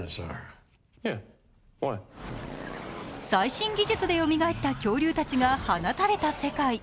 最新技術でよみがえった恐竜たちが放たれた世界。